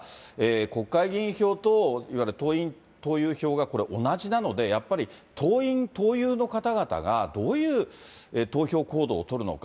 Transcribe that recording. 国会議員票と、いわゆる党員・党友票がこれ、同じなので、やっぱり党員・党友の方々がどういう投票行動を取るのか。